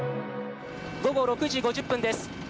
午後６時５０分です。